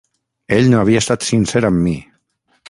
Ell no havia estat sincer amb mi.